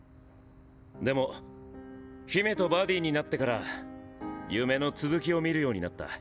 でも姫とバディになってから夢の続きを見るようになった。